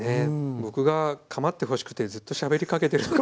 僕が構ってほしくてずっとしゃべりかけてるのかもしれない。